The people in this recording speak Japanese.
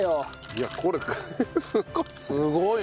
いやこれすごい。